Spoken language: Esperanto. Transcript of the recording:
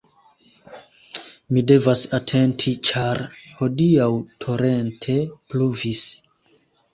Mi devas atenti ĉar hodiaŭ torente pluvis